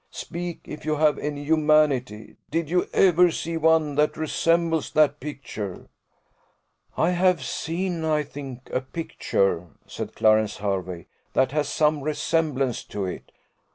Speak, if you have any humanity! Did you ever see any one that resembles that picture?" "I have seen, I think, a picture," said Clarence Hervey, "that has some resemblance to it."